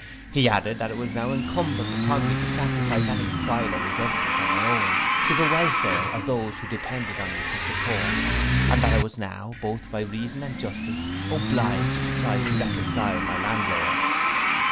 He added, that it was now incumbent on me to sacrifice any pride or resentment of my own, to the welfare of those who depended on me for support; and that I was now, both by reason and justice, obliged to try to reconcile my landlord.